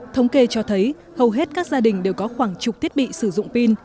thống kê cho thấy hầu hết các gia đình đều có khoảng chục thiết bị sử dụng pin